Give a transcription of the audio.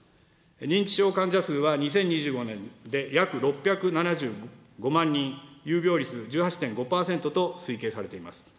認知症患者数は２０２５年で約６７５万人、有病率１８．５％と推計されています。